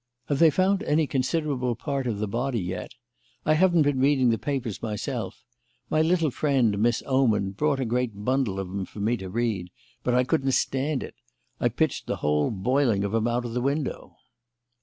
"Have they found any considerable part of the body yet? I haven't been reading the papers myself. My little friend, Miss Oman, brought a great bundle of 'em for me to read, but I couldn't stand it; I pitched the whole boiling of 'em out of the window."